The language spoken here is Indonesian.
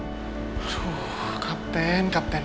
aduh kapten kapten